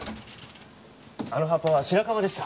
あの葉っぱは白樺でした。